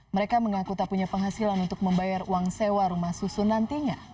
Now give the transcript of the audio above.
mereka mengaku tak punya penghasilan untuk membayar uang sewa rumah susun nantinya